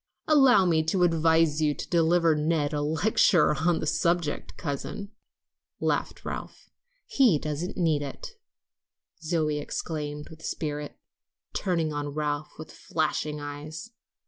"Allow me to advise you to deliver Ned a lecture on the subject, cousin," laughed Ralph. "He doesn't need it," Zoe exclaimed with spirit, turning on Ralph with flashing eyes.